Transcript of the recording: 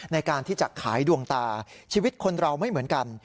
ในการที่จะขายดวงตาชีวิตคนเราไม่เหมือนกัน